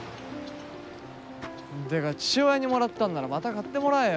てか父親にもらったんならまた買ってもらえよ。